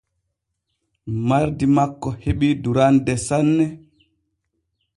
Mardi makko hebii durande sanne.